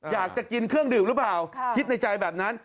อยากจะกินเครื่องดื่มหรือเปล่าคิดในใจแบบนั้น